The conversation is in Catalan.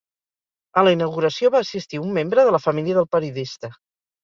A la inauguració va assistir un membre de la família del periodista.